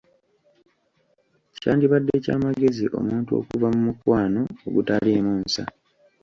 Kyandibadde kya magezi omuntu okuva mu mukwano ogutaliimu nsa.